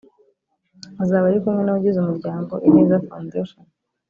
Azaba ari kumwe n’abagize umuryango ‘Ineza Foundation